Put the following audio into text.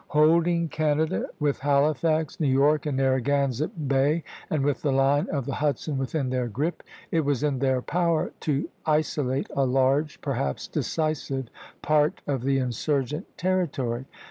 Holding Canada, with Halifax, New York, and Narragansett Bay, and with the line of the Hudson within their grip, it was in their power to isolate a large, perhaps decisive, part of the insurgent territory.